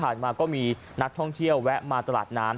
และพนักท่องเที่ยวก้อนห้วบมาตราดน้ำ